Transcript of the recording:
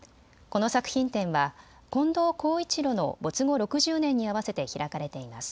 この作品展は近藤浩一路の没後６０年に合わせて開かれています。